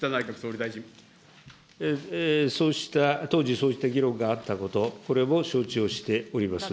そうした、当時、そうした議論があったこと、これも承知をしております。